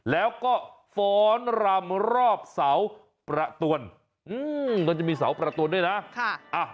แล้วก็ฟ้อนรำรอบเสาประตวนก็จะมีเสาประตวนด้วยนะ